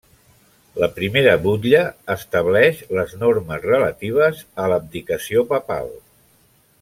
La primera butlla estableix les normes relatives a l'abdicació papal.